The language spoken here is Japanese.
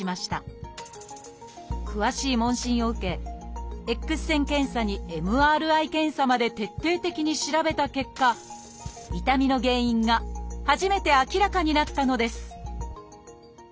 詳しい問診を受けＸ線検査にＭＲＩ検査まで徹底的に調べた結果痛みの原因が初めて明らかになったのです